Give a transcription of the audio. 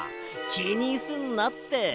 きにすんなって。